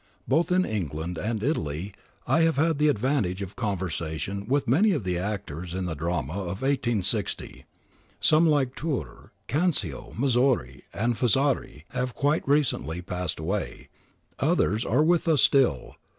Both in England and Italy I have had the advantage of conversation with many of the actors in the drama of i860. Some, like Turr, Canzio, Missori, and Fazzari, have quite recently passed away ; others are with us still.